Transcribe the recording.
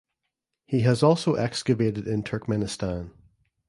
He has also excavated in Turkmenistan.